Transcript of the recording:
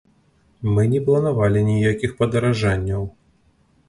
Мы не планавалі ніякіх падаражанняў.